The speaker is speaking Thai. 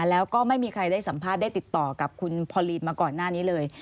แล้วก็ไม่มีใครได้สัมภาษณ์ได้ติดต่อกับคุณพอลีนมาก่อนหน้านี้เลย